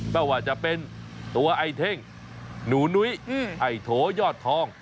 ไม่ว่าจะเป็นตัวไอเท่งหนูนุ้ยไอโถยอดทอง